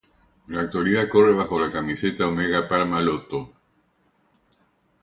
En la actualidad corre bajo la camiseta Omega Pharma-Lotto.